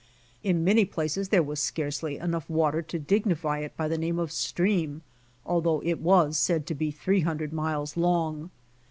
In many places there was scarcely enough water to dignify it by the name of a stream, although it was said to be three hundred miles long.